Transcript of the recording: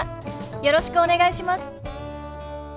よろしくお願いします。